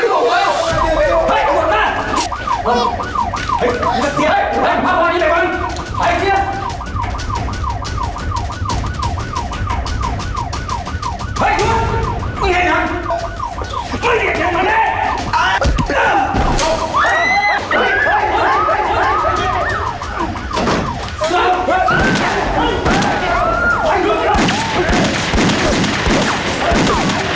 เฮ้ยคุณ